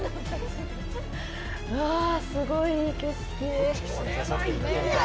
ああ、すごいいい景色。